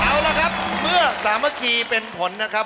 เอาละครับเมื่อสามัคคีเป็นผลนะครับ